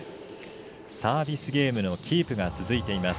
サービスゲームのキープが続いています。